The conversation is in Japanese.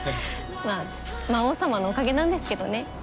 まあ魔王様のおかげなんですけどね。